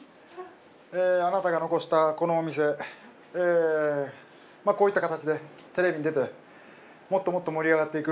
あなたが遺したこのお店こういった形でテレビに出てもっともっと盛り上がっていく。